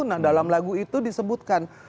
nah dalam lagu itu disebutkan